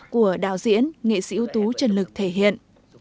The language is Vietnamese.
của đạo diễn nghệ sĩ ưu tú trần lực thể hiện